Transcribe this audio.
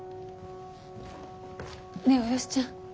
ねぇおよしちゃん。